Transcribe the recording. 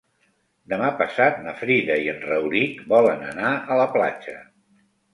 Demà passat na Frida i en Rauric volen anar a la platja.